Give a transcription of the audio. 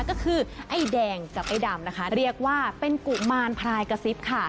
ก็คือไอ้แดงกับไอ้ดำนะคะเรียกว่าเป็นกุมารพลายกระซิบค่ะ